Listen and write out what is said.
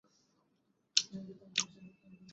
দাঁড়াও, দাঁড়াও, আমাকে এই ভিডিওটুকু করতে দাও।